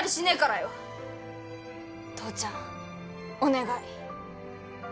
父ちゃんお願い。